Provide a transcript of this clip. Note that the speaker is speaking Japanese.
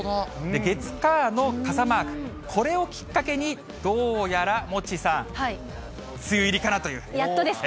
月、火の傘マーク、これをきっかけに、どうやらモッチーさん、やっとですか。